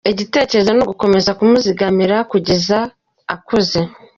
Igitekerezo ni ugukomeza kumuzigamira kugeza akuze.